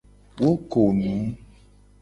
Wo ko nu.